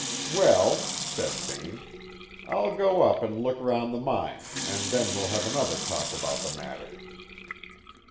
"Well," said Vane, "I'll go up and look round the mine and then we'll have another talk about the matter."